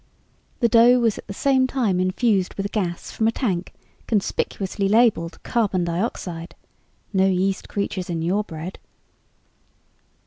The dough was at the same time infused with gas from a tank conspicuously labeled "Carbon Dioxide" ("No Yeast Creatures in Your Bread!").